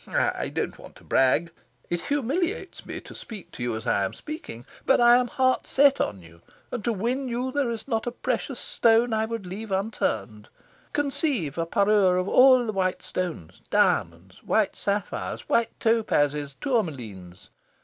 I don't want to brag. It humiliates me to speak to you as I am speaking. But I am heart set on you, and to win you there is not a precious stone I would leave unturned. Conceive a parure all of white stones diamonds, white sapphires, white topazes, tourmalines.